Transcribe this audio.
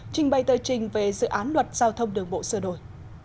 trình bày tờ trình về dự án luật giao thông đường bộ sửa đổi